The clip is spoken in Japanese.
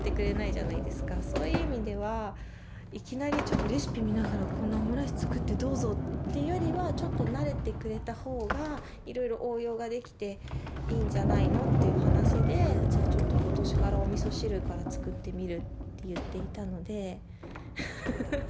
そういう意味ではいきなりちょっとレシピ見ながらこんなオムライス作ってどうぞっていうよりはちょっと慣れてくれた方がいろいろ応用ができていいんじゃないのっていう話でじゃあちょっと今年からおみそ汁から作ってみるって言っていたので。